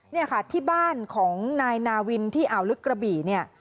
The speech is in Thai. เนี่ยค่ะที่บ้านของนายนาวินที่อ่าวลึกกระบี่เนี่ย